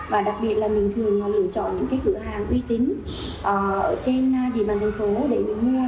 và đặc biệt là mình thường lựa chọn những cái cửa hàng uy tín ở trên địa bàn thành phố để mình mua